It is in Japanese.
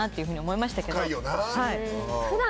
深いよな。